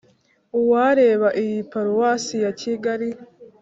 uwareba iyi paruwasi ya kigali